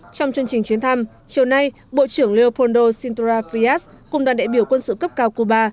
trong chương trình chuyến thăm chiều nay bộ trưởng leepoldo sintra fiyas cùng đoàn đại biểu quân sự cấp cao cuba